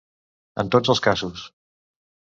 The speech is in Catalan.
En tots els casos.